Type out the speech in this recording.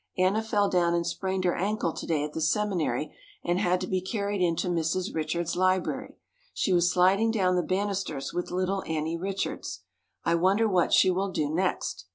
Anna fell down and sprained her ankle to day at the seminary, and had to be carried into Mrs. Richards' library. She was sliding down the bannisters with little Annie Richards. I wonder what she will do next.